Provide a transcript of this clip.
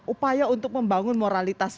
upaya untuk membangun moralitas